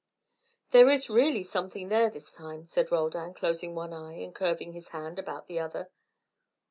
"There is really something there this time," said Roldan, closing one eye and curving his hand about the other.